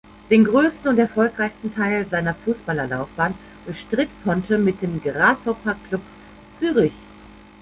Den grössten und erfolgreichsten Teil seiner Fußballerlaufbahn bestritt Ponte mit dem Grasshopper Club Zürich.